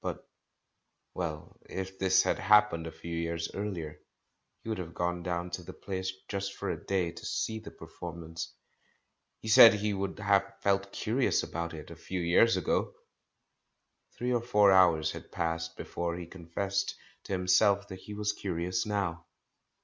But — well, if this had happened a few years earlier, he would have gone down to the place, just for a day, to see the performance. He said he would have felt curious about it — a few years ago! Three or four hours had passed before he con fessed to himself that he was curious now.